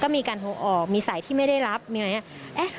มีการโทรออกมีสายที่ไม่ได้รับมีอะไรอย่างนี้